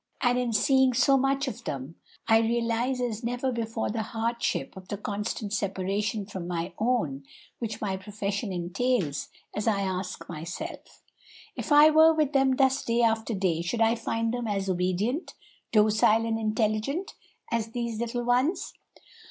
And in seeing so much of them I realize as never before the hardship of the constant separation from my own which my profession entails, as I ask myself, 'If I were with them thus day after day, should I find them as obedient, docile, and intelligent as these little ones?